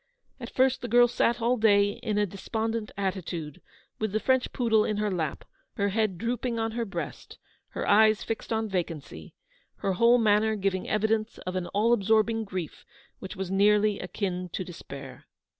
At first the girl sat all day in a despondent attitude, with the French poodle in her lap, her head drooping on her breast, her eyes fixed on vacancy, her whole manner giving evidence of an all absorbing grief which was nearly akin to despair.